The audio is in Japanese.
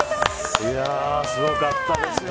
すごかったですよ。